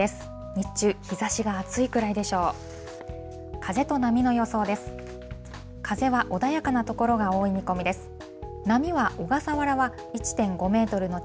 日中、日ざしが暑いくらいでしょう。